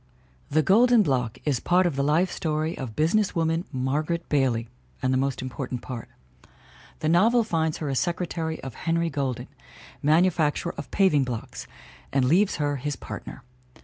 The Golden Block is part of the life story of a busi ness woman, Margaret Bailey, and the most important SOPHIE KERR 235 part. The novel finds her a secretary of Henry Golden, manufacturer of paving blocks, and leaves her his partner.